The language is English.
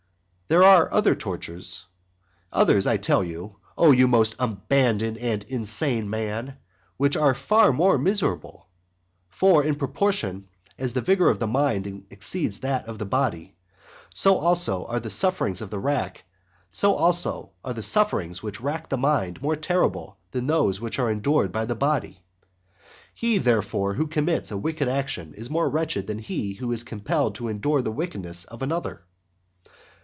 There are other tortures, others, I tell you, O you most abandoned and insane man, which are far more miserable. For in proportion as the vigour of the mind exceeds that of the body, so also are the sufferings which rack the mind more terrible than those which are endured by the body. He, therefore, who commits a wicked action is more wretched than he who is compelled to endure the wickedness of another.